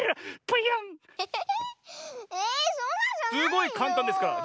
すごいかんたんですから。